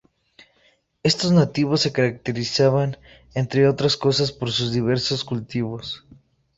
Estos nativos se caracterizaban entre otras cosas por sus diversos cultivos.